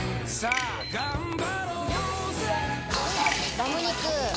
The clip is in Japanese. ラム肉。